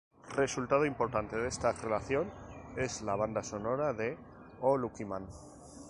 Resultado importante de esta relación es la banda sonora de "O Lucky Man!